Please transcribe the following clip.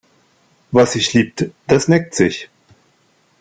Was sich liebt, das neckt sich.